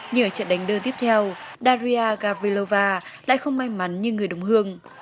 nhờ trận đánh đơn tiếp theo daria gavrilova lại không may mắn như người đồng hương